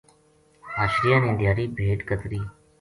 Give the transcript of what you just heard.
حشریاں نے دھیاڑی بھیڈ کترَی